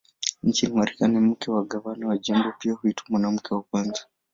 Nchini Marekani, mke wa gavana wa jimbo pia huitwa "Mwanamke wa Kwanza".